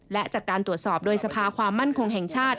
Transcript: และจากการตรวจสอบโดยสภาความมั่นคงแห่งชาติ